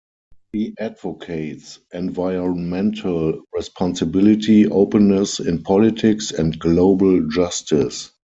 She advocates environmental responsibility, openness in politics, and global justice.